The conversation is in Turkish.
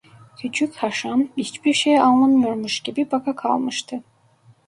Küçük Haşan hiçbir şey anlamıyormuş gibi bakakalmıştı.